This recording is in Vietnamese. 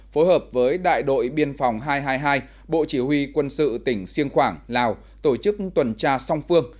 phối hợp với đại đội biên phòng hai trăm hai mươi hai bộ chỉ huy quân sự tỉnh siêng khoảng lào tổ chức tuần tra song phương